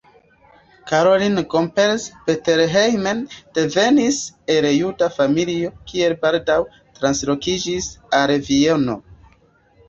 Caroline Gomperz-Bettelheim devenis el juda familio, kiu baldaŭ translokiĝis al Vieno.